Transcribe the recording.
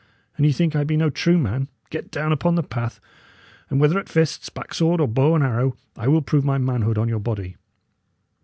An ye think I be no true man, get down upon the path, and whether at fists, back sword, or bow and arrow, I will prove my manhood on your body."